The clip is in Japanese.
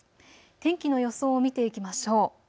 天気の予想を見ていきましょう。